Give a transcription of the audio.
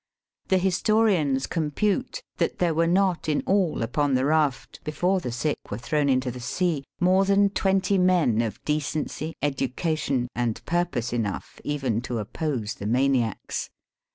The historians compute that there were not in all upon the raft — before the sick were thrown into the sea — more than twenty men of decency, educa cation, and purpose enough, even to oppose the maniacs.